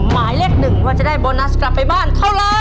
หมายเลขหนึ่งว่าจะได้โบนัสกลับไปบ้านเท่าไร